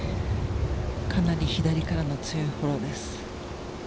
かなり左からの強いフォローです。